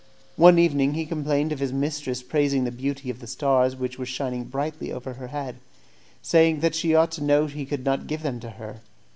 One evening he complained of his mistress praising the beauty of the stars which were shining brightly over her head, saying that she ought to know he could not give them to her.